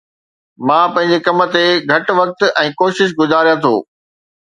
مان پنھنجي ڪم تي گھٽ وقت ۽ ڪوشش گذاريان ٿو